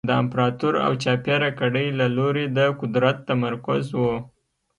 د امپراتور او چاپېره کړۍ له لوري د قدرت تمرکز و